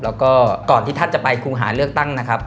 แล้วก็ก่อนที่ท่านจะไปครูหาเลือกตั้งนะครับ